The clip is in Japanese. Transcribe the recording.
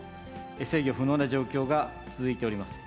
制御不能な状況が続いております。